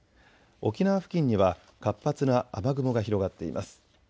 沖縄付近には活発な雨雲が広がっています。